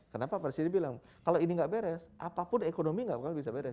kenapa pak presidi bilang kalau ini gak beres apapun ekonomi gak bisa beres